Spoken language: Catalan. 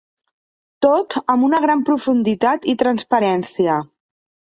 Tot amb una gran profunditat i transparència.